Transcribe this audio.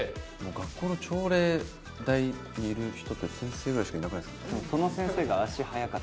学校の朝礼台にいる人って先生ぐらいしかいなくないですか？